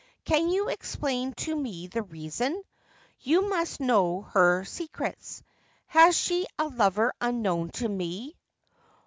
Can you explain to me the reason ? You must know her secrets. Has she a lover unknown to me